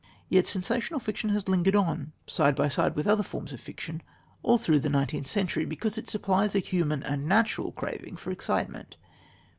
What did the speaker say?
Yet sensational fiction has lingered on side by side with other forms of fiction all through the nineteenth century, because it supplies a human and natural craving for excitement.